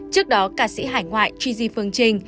trước đó ca sĩ hải ngoại gigi phương trinh